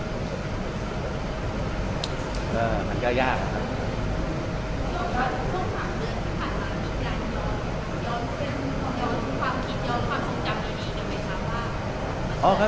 คุณต้องถามเรื่องที่ผ่านมามีการย้อนคุณความคิดย้อนความทรงจำดีทำไมครับว่า